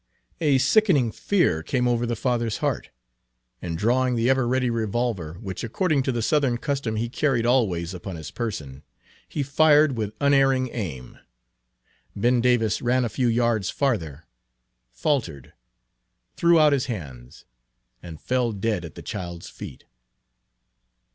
A sickening fear came over the father's heart, and drawing the ever ready revolver, which according to the Southern custom he carried always upon his person, he fired with unerring aim. Ben Davis ran a few yards farther, faltered, threw out his hands, and fell dead at the child's feet.